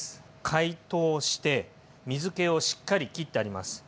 解凍して水けをしっかりきってあります。